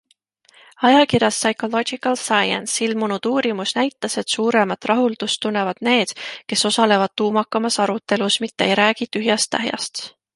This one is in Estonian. Ajakirjas Psychological Science ilmunud uurimus näitas, et suuremat rahuldust tunnevad need, kes osalevad tuumakamas arutelus, mitte ei räägi tühjast-tähjast.